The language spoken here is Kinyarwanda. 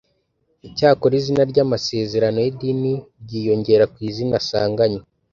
Icyakora izina ry’amasezerano y’idini ryiyongera ku izina asanganywe